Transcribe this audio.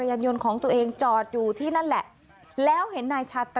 ยังไงคุณถ้าจะเอาเรื่องไว้ล่ะ